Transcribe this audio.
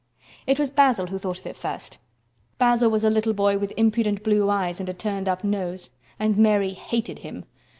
It was Basil who thought of it first. Basil was a little boy with impudent blue eyes and a turned up nose, and Mary hated him.